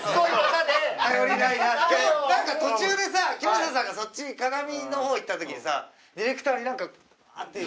なんか途中でさ木下さんがそっち鏡の方行った時にさディレクターになんかバーッて。